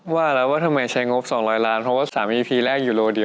ว่าแล้วว่าทำไมใช้งบ๒๐๐ล้านเพราะว่าสามีพีแรกอยู่โลเดียว